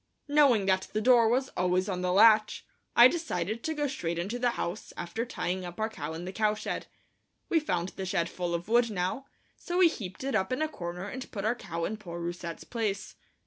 Knowing that the door was always on the latch, I decided to go straight into the house, after tying our cow up in the cowshed. We found the shed full of wood now, so we heaped it up in a corner, and put our cow in poor Rousette's place.